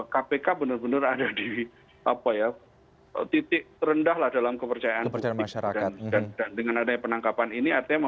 kpk benar benar ada di titik terendah dalam kepercayaan masyarakat